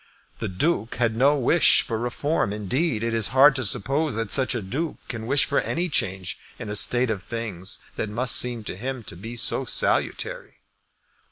The Duke had no wish for Reform. Indeed it is hard to suppose that such a Duke can wish for any change in a state of things that must seem to him to be so salutary.